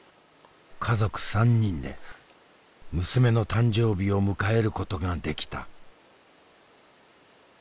家族３人で娘の誕生日を迎えることができた。